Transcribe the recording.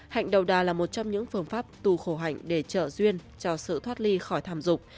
hạnh đầu đà là một trong những phương pháp tù khổ hạnh để trợ duyên cho sự thoát ly khỏi thảm dục